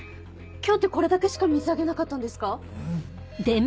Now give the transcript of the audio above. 今日ってこれだけしか水揚げなかったんですか？